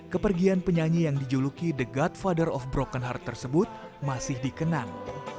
kepergian penyanyi yang dijuluki the godfather of broken heart tersebut masih dikenang